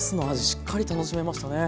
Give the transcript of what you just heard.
しっかり楽しめましたね。